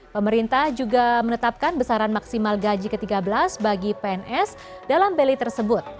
pemerintah juga menetapkan besaran maksimal gaji ke tiga belas bagi pns dalam beli tersebut